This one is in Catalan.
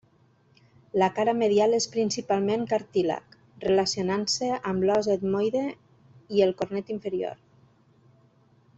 La cara medial és principalment cartílag, relacionant-se amb l'os etmoide i el cornet inferior.